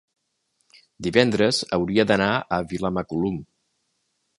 divendres hauria d'anar a Vilamacolum.